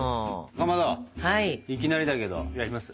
かまどいきなりだけどやります？